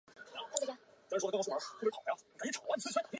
宠爱她的阿公